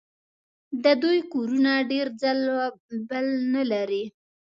د دوی کورونه ډېر ځل و بل نه لري.